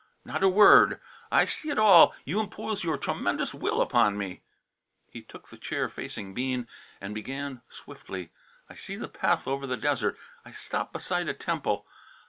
"Not a word! I see it all. You impose your tremendous will upon me." He took the chair facing Bean and began swiftly: "I see the path over the desert. I stop beside a temple.